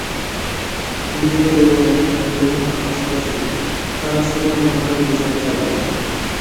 নিজেদের বেদনার কথা তুলে ধরার পাশাপাশি তাঁরা সেদিনের ঘটনার বিচারও চাইবেন।